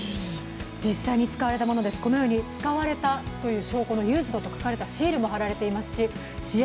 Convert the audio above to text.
実際に使われたものです、このように使われたという証拠のＵＳＥＤというシールも貼られていますし試合